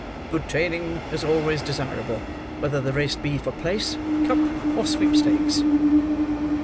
Good training is always desirable, whether the race be for place, cup, or sweepstakes."